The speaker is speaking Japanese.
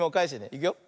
いくよ。